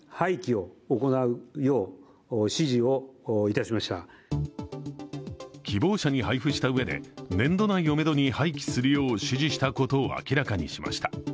更に、岸田総理は希望者に配布したうえで年度内をめどに廃棄するよう指示したことを明らかにしました。